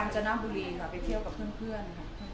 ฝั่งจรณะบุรีค่ะไปเที่ยวกับเพื่อน